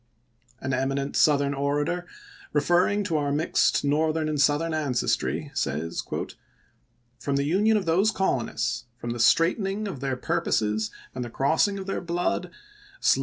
An eminent Southern orator, referring to our mixed Northern and Southern ancestry, says :" From the union of those colonists, from the straightening of their purposes and the crossing of their blood, slowly Sherman, "Memoirs.'